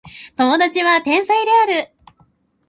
友達は天才である